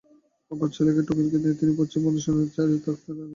অপর ছেলে টোকনকে নিয়ে তিনি পশ্চিম ভাষাণচরের বাড়িতে থাকতেন।